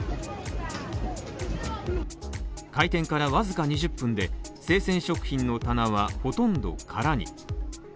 開店から僅か２０分で生鮮食品の棚はほとんど空に。